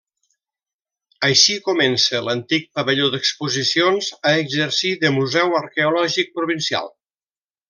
Així comença l'antic pavelló d'exposicions a exercir de Museu Arqueològic Provincial.